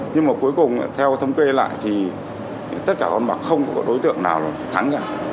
nhưng mà cuối cùng theo thông kê lại thì tất cả con bạc không có đối tượng nào là thắn cả